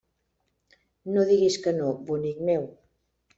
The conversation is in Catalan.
No digues que no, bonic meu.